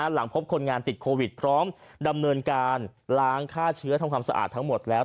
หลังพบคนงานติดโควิดพร้อมดำเนินการล้างฆ่าเชื้อทำความสะอาดทั้งหมดแล้ว